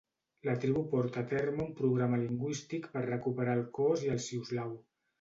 La tribu porta a terme un programa lingüístic per recuperar el coos i el siuslaw.